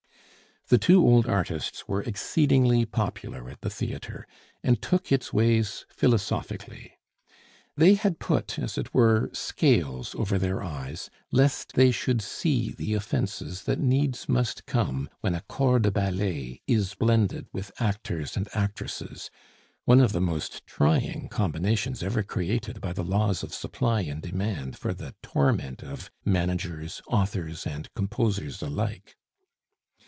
The two old artists were exceedingly popular at the theatre, and took its ways philosophically. They had put, as it were, scales over their eyes, lest they should see the offences that needs must come when a corps de ballet is blended with actors and actresses, one of the most trying combinations ever created by the laws of supply and demand for the torment of managers, authors, and composers alike.